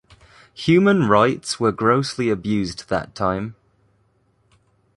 Human rights were grossly abused that time.